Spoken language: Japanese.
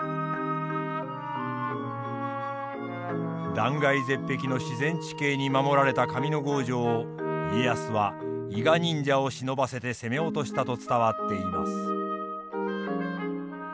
断崖絶壁の自然地形に守られた上ノ郷城を家康は伊賀忍者を忍ばせて攻め落としたと伝わっています。